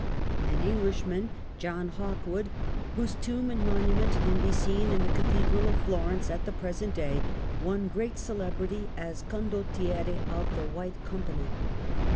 An English man, John Hawkwood, whose tomb and monument can be seen in the Cathedral of Florence at the present day, won great celebrity as oondottiere of the " White Com pany